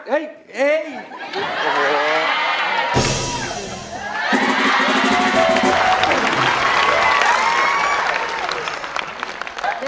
เอ้ยอาร์ท